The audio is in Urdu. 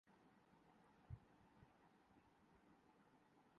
تاہم اداکار شاہد کپور کے